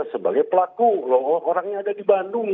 sebagai pelaku loh orangnya ada di bandung